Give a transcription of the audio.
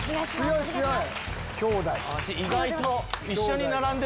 強い強い！